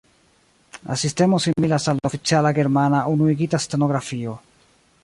La sistemo similas al la oficiala Germana Unuigita Stenografio.